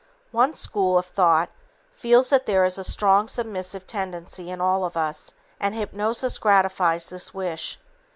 One school of thought feels that there is a strong submissive tendency in all of us and hypnosis gratifies this wish.